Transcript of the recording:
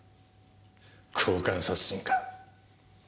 交換殺人か。